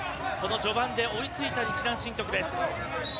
この序盤で追いついた日南振徳です。